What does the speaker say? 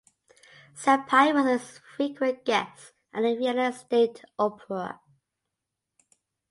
Siepi was a frequent guest at the Vienna State Opera.